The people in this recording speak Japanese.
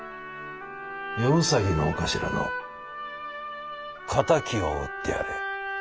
夜兎のお頭の敵を討ってやれ。